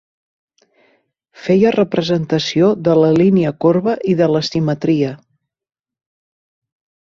Feia representació de la línia corba i de l'asimetria.